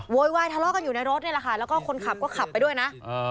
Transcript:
โวยวายทะเลาะกันอยู่ในรถนี่แหละค่ะแล้วก็คนขับก็ขับไปด้วยนะ